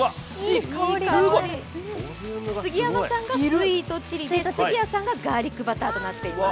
杉山さんがスイートチリで杉谷さんがガーリックバターとなっています。